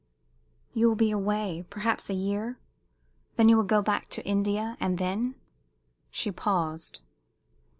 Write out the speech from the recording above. "You will be away perhaps a year? Then you go back to India, and then " She paused.